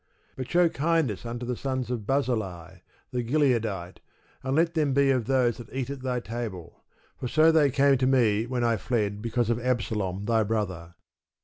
But show kindness unto the sons of Barzillai, the Gileadite, and let them be of those that eat at thy table; for so they came to me when I fled because of Absalom thy brother.